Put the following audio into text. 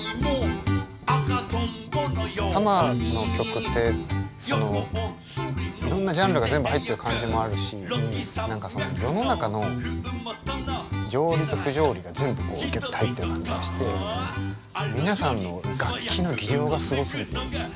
たまの曲っていろんなジャンルが全部入ってる感じもあるし何かその世の中の条理と不条理が全部ギュッと入ってる感じがして皆さんの楽器の技量がすごすぎて。